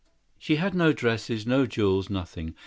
She had no gowns, no jewels, nothing.